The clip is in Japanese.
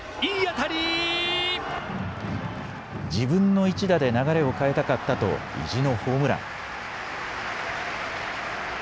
自分の１打で流れを変えたかったと意地のホームラン。